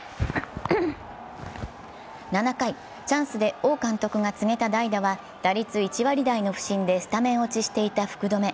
７回、チャンスで王監督が告げた代打は打率１割台の不振で、スタメン落ちしていた福留。